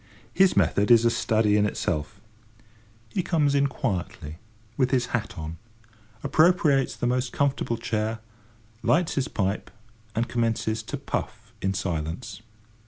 His method is a study in itself. He comes in quietly with his hat on, appropriates the most comfortable chair, lights his pipe, and commences to puff in silence.